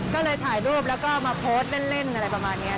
ก็เลยถ่ายรูปแล้วก็มาโพสต์เล่นอะไรประมาณนี้